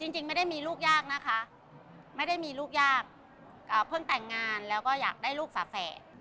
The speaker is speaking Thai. จริงไม่ได้มีลูกยากนะคะไม่ได้มีลูกยากเพิ่งแต่งงานแล้วก็อยากได้ลูกฝาแฝด